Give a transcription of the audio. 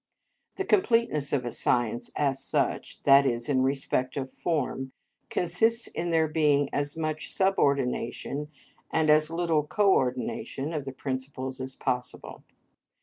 The completeness of a science as such, that is, in respect of form, consists in there being as much subordination and as little co ordination of the principles as possible.